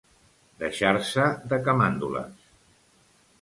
Deixar-se de camàndules.